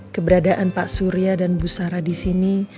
keberadaan pak surya dan bu sara di sini